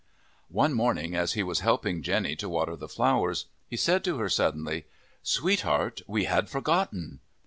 V One morning, as he was helping Jenny to water the flowers, he said to her suddenly, "Sweetheart, we had forgotten!"